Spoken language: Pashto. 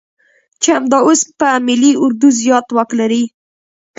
چې همدا اوس په ملي اردو زيات واک لري.